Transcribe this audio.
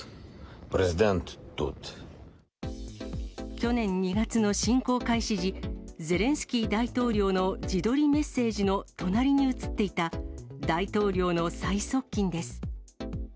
去年２月の侵攻開始時、ゼレンスキー大統領の自撮りメッセージの隣に写っていた大統領の最側近です。